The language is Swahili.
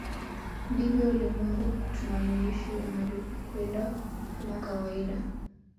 Ndivyo ulimwengu tunamoishi unavyokwenda kama kawaida